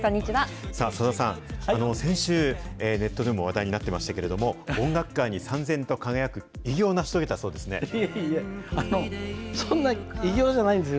さださん、先週、ネットでも話題になってましたけれども、音楽界にさん然と輝くいやいや、そんな偉業じゃないんですよ。